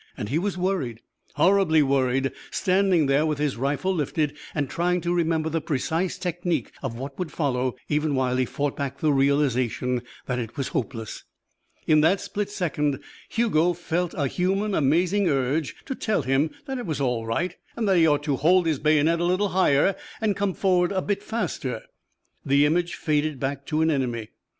And he was worried, horribly worried, standing there with his rifle lifted and trying to remember the precise technique of what would follow even while he fought back the realization that it was hopeless. In that split second Hugo felt a human, amazing urge to tell him that it was all right, and that he ought to hold his bayonet a little higher and come forward a bit faster. The image faded back to an enemy.